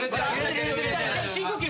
深呼吸も。